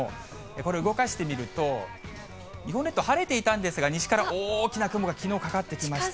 これ動かしてみると、日本列島、晴れていたんですが、西から大きな雲がかかってきました。